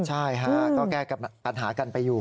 ใช่ฮะก็แก้ปัญหากันไปอยู่